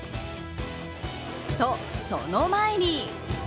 と、その前に。